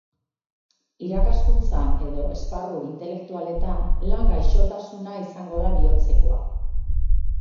Irakaskuntzan edo esparru intelektualetan, lan gaixotasuna izango da bihotzekoa.